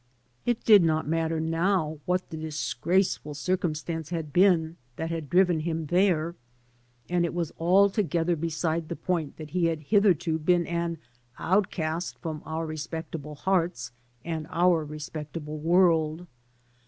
It did not matter now what the disgraceful circumstance had been that had driven him there, and it was alto gether beside the point that he had hitherto been an outcast from our respectable hearts and our respectable world.